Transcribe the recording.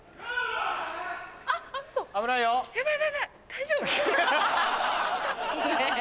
大丈夫？